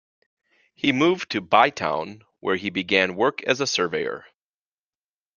He moved to Bytown, where he began work as a surveyor.